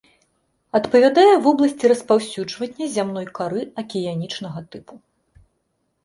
Адпавядае вобласці распаўсюджвання зямной кары акіянічнага тыпу.